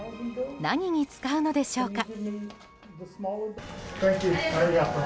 何に使うのでしょうか。